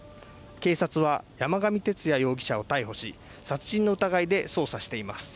警察は山上徹也容疑者を逮捕し殺人の疑いで捜査しています